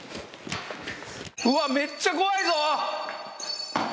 うわめっちゃ怖いぞ！